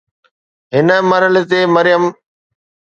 هن مرحلي تي مريم